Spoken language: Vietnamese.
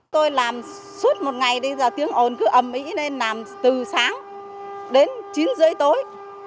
tôi làm suốt một ngày tiếng ồn cứ ẩm ý nên làm từ sáng đến chín h tối